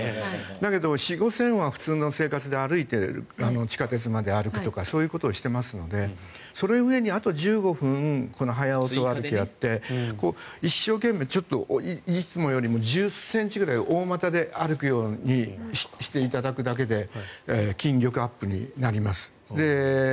だけど、４０００５０００は普通の生活で地下鉄まで歩くとかそういうことをしていますのであと１５分これをして一生懸命、いつもよりも１０ｃｍくらい大股で歩くようにしていただくだけで筋力アップになります。